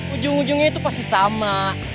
ujung ujungnya itu pasti sama